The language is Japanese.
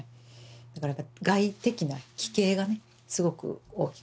だからやっぱ外的な奇形がねすごく大きくてうん。